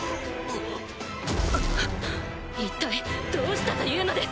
一体どうしたというのです！